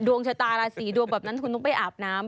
ดวงชะตาราศีดวงแบบนั้นคุณต้องไปอาบน้ำ